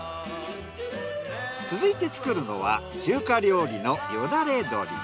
続いて作るのは中華料理のよだれ鶏。